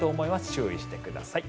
注意してください。